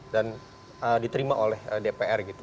dan diterima oleh dpr